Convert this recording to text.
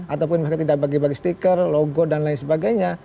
ataupun mereka tidak bagi bagi stiker logo dan lain sebagainya